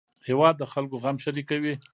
هېواد د خلکو غم شریکوي